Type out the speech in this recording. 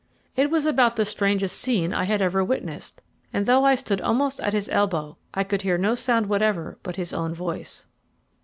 It was about the strangest scene I had ever witnessed; and though I stood almost at his elbow, I could hear no sound whatever but his own voice.